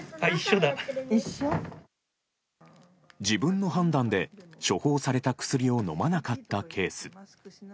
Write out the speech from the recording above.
自分の判断で、処方された薬を飲まなかったケース。